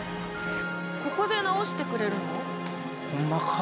ここで直してくれるの？ホンマか？